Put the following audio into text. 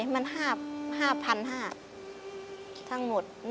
มัน๕๕๐๐บาททั้งหมด